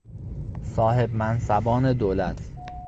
صاحب منصبان دولت